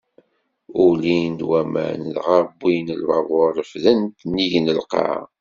Ulin-d waman, dɣa wwin lbabuṛ, refden-t nnig n lqaɛa.